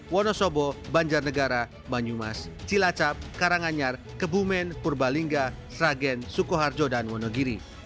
wonosobo banjarnegara banyumas cilacap karanganyar kebumen purbalinga dan jawa tengah